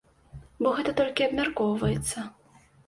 Бо гэта толькі абмяркоўваецца.